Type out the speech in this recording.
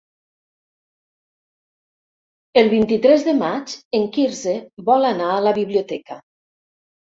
El vint-i-tres de maig en Quirze vol anar a la biblioteca.